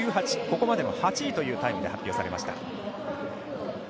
ここまでの８位というタイムが発表されました。